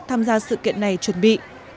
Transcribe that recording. tham gia sự kiện này chuẩn bị